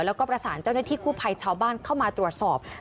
แล้วก็ประสานเจ้าหน้าที่กู้ภัยชาวบ้านเข้ามาตรวจสอบ